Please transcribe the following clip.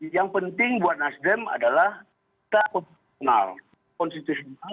yang penting buat nasdem adalah kita kenal konstitusional